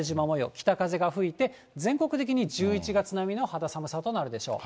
北風が吹いて、全国的に１１月並みの肌寒さとなるでしょう。